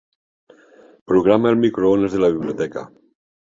Programa el microones de la biblioteca.